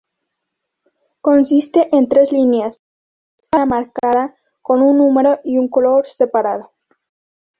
Consiste en tres líneas, cada uno marcada con un número y un color separado.